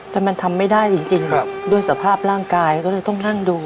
แต่มันทำไม่ได้จริงด้วยสภาพร่างกายก็เลยต้องนั่งดู